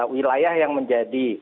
wilayah yang menjadi